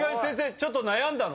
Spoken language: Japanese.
ちょっと悩んだの？